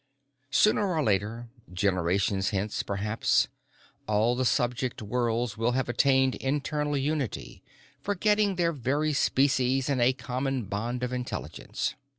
Sooner or later, generations hence, perhaps, all the subject worlds will have attained internal unity, forgetting their very species in a common bond of intelligence.